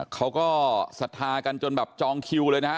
เขาก็ศรัทธากันจนแบบจองคิวเลยนะฮะ